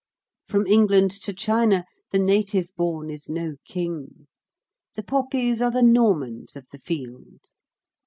From England to China the native born is no king; the poppies are the Normans of the field.